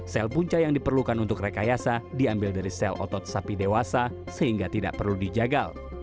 sel punca yang diperlukan untuk rekayasa diambil dari sel otot sapi dewasa sehingga tidak perlu dijagal